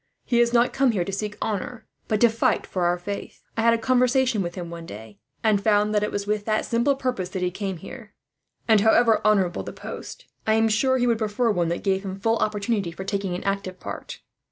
He has not come here to seek honour, but to fight for our faith. I had a conversation with him, one day, and found that it was with that simple purpose he came here; and however honourable the post, I am sure he would prefer one that gave him full opportunity for taking an active part.